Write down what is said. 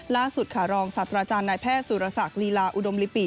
ล่าสุดค่ะรองศาสตราจารย์นายแพทย์สุรสักลีลาอุดมลิปิ